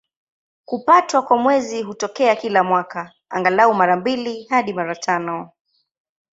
Kupatwa kwa Mwezi hutokea kila mwaka, angalau mara mbili hadi mara tano.